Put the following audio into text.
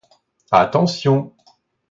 Attention!